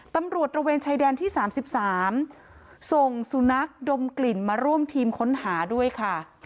ตระเวนชายแดนที่๓๓ส่งสุนัขดมกลิ่นมาร่วมทีมค้นหาด้วยค่ะ